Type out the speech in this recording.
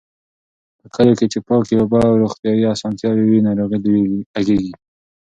په کليو کې چې پاکې اوبه او روغتيايي اسانتیاوې وي، ناروغۍ لږېږي.